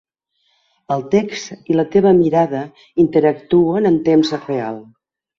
El text i la teva mirada interactuen en temps real.